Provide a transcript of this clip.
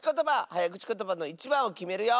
はやくちことばのいちばんをきめるよ！